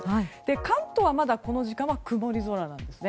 関東は、まだこの時間は曇り空なんですね。